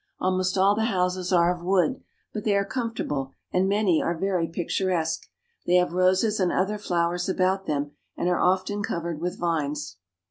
Almost all the houses are of wood, but they are comfortable, and many are very picturesque; they have roses and other flowers about them, and are often covered with vines.